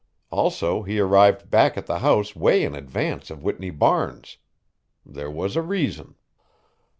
Also he arrived back at the house way in advance of Whitney Barnes. There was a reason.